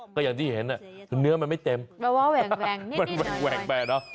ก็อย่างที่เห็นเนื้อมันไม่เต็มแบบว่าแหว่งแหว่งแหว่งแหว่งแหว่งเนอะ